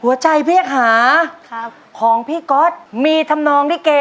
หัวใจเพียกหาของพี่ก๊อตมีทำนองนิเก